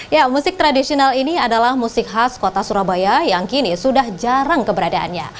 ya musik tradisional ini adalah musik khas kota surabaya yang kini sudah jarang keberadaannya